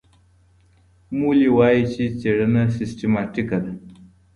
مولي وايي چي څېړنه سیستماتیکه ده.